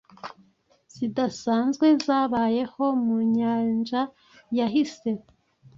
zidasanzwe zabayeho mu nyanjayahise